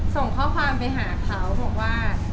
ส่งข้อความไปหาเขาบอกว่า